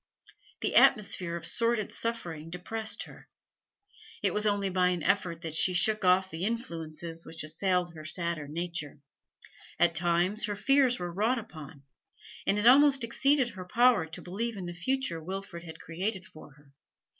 The atmosphere of sordid suffering depressed her; it was only by an effort that she shook off the influences which assailed her sadder nature; at times her fears were wrought upon, and it almost exceeded her power to believe in the future Wilfrid had created for her.